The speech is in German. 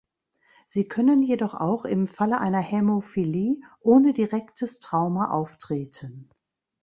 Sie können jedoch auch im Falle einer Hämophilie ohne direktes Trauma auftreten.